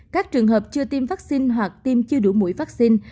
các trường hợp chưa tiêm vaccine hoặc tiêm chưa đủ mũi vaccine